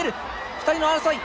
２人の争い！